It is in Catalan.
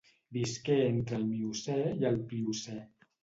Visqué entre el Miocè i el Pliocè.